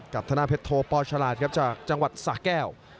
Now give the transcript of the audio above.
กับทนาเพชรโทปอล์ชาลาธจากจังหวัดสาแก้ว